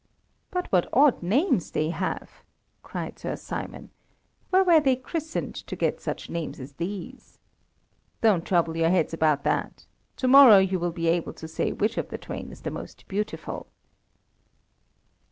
"But what odd names they have!" cried Sir Simon. "Where were they christened to get such names as these?" "Don't trouble your heads about that. To morrow you will be able to say which of the twain is the most beautiful."